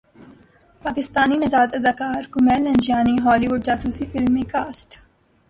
پاکستانی نژاد اداکار Kumail Nanjiani Hollywood جاسوسی فلم میں کاسٹ